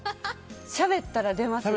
しゃべったら出ますね。